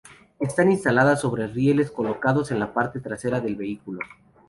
Están instaladas sobre rieles colocados en la parte trasera del vehículo.